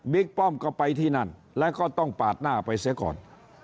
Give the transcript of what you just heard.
ป้อมก็ไปที่นั่นแล้วก็ต้องปาดหน้าไปเสียก่อน